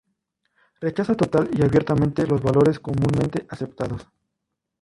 Rechaza total y abiertamente los valores comúnmente aceptados.